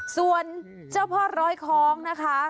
ส่วนเจ้าพ่อร้อยคล้องนะคะ